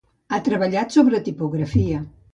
Ha treballat sobre tipografia.